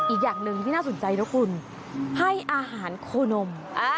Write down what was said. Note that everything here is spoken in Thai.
อีกอย่างหนึ่งที่น่าสนใจนะคุณให้อาหารโคนม